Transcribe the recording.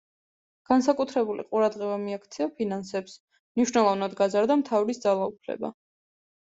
განსაკუთრებული ყურადღება მიაქცია ფინანსებს, მნიშვნელოვნად გაზარდა მთავრის ძალაუფლება.